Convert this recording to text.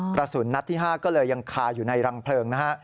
กระสุนนัดที่๕ก็เลยยังคาอยู่ในรังเพลิงนะฮะ